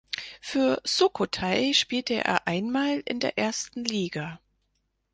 Für Sukhothai spielte er einmal in der ersten Liga.